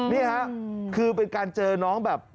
นี่ค่ะคือเป็นการเจอน้องแบบ